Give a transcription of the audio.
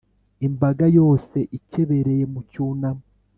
imbaga yose ikibereye mu cyunamo,